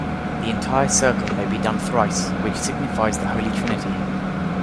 The entire circle may be done thrice, which signifies the Holy Trinity.